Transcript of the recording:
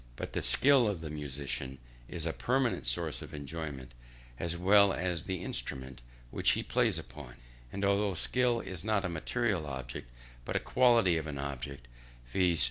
But the skill of the musician is a permanent source of enjoyment, as well as the instrument which he plays upon: and although skill is not a material object, but a quality of an object, viz.